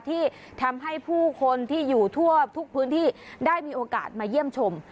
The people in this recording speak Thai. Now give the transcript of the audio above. ที่ทำให้ผู้คนที่อยู่ทั่วทุกพื้นที่ได้มีโอกาสมาเยี่ยมชม